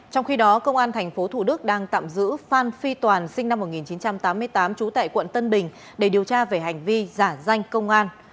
trong khi đó công an tp thủ đức đang tạm giữ phan phi toàn sinh năm một nghìn chín trăm tám mươi tám trú tại quận tân bình để điều tra về hành vi giả danh công an